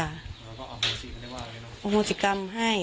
ก็เอาโภชิกรรมให้